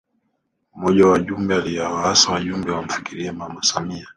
Mmoja wa wajumbe aliwaasa wajumbe wamfikirie Mama Samia